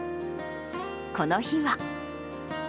この日は。